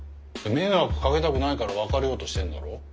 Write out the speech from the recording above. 迷惑かけたくないから別れようとしてんだろ？